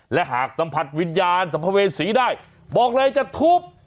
และหากสัมผัสวิญญาณสัมภเวษีได้บอกเลยจะทุบ